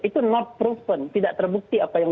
itu nort proven tidak terbukti apa yang